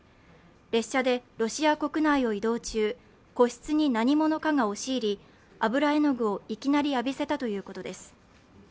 列車でロシア国内を移動中、個室に何者かが押し入り油絵具をいきなり浴びせたということです。